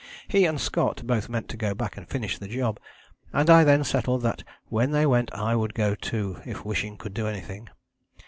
He and Scott both meant to go back and finish the job, and I then settled that when they went I would go too if wishing could do anything.